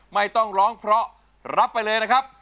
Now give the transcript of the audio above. ไม่ต้องร้องเพราะรับไปเลยนะครับ